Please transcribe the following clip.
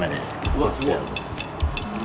・わっすごい。